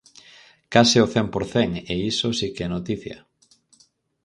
Case ao cen por cen e iso si que é noticia.